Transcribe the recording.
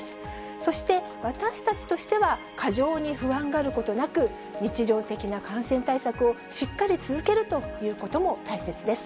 そして、私たちとしては過剰に不安がることなく、日常的な感染対策をしっかり続けるということも大切です。